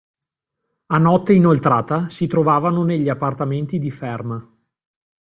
A notte inoltrata si trovavano negli appartamenti di Ferm.